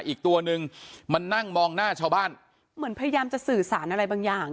อีกตัวนึงมานั่งมองหน้าชาวบ้านเหมือนพยายามจะสื่อสารอะไรบางอย่าง